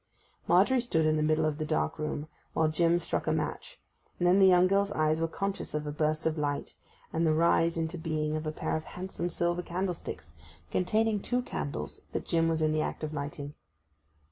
Margery stood in the middle of the dark room, while Jim struck a match; and then the young girl's eyes were conscious of a burst of light, and the rise into being of a pair of handsome silver candlesticks containing two candles that Jim was in the act of lighting.